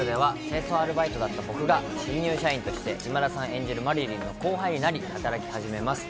今夜放送の『悪女』では清掃アルバイトだった僕が新入社員として今田さん演じるマリリンの後輩になり働き始めます。